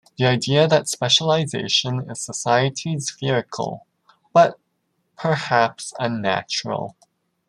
The idea that specialization is society's vehicle, but perhaps unnatural.